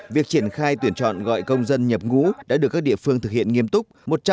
việc triển khai tuyển chọn gọi công dân nhập ngũ đã được các địa phương thực hiện nghiêm túc